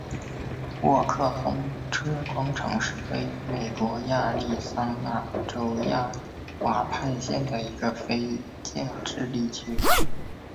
沃克风车广场是位于美国亚利桑那州亚瓦派县的一个非建制地区。